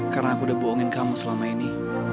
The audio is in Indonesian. karena aku udah bohongin kamu selama ini